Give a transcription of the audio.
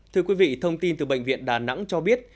thưa quý vị thông tin từ bệnh viện đà nẵng cho biết